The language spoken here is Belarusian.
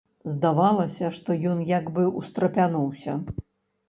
Здавалася, што ён як бы ўстрапянуўся.